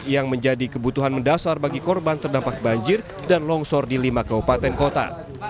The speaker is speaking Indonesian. yang menjadi kebutuhan mendasar bagi korban terdampak banjir dan longsor di lima kabupaten kota